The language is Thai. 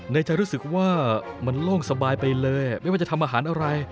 ในใจรู้สึกว่ามันโล่งสบายไปเลยไม่ว่าจะทำอาหารอะไร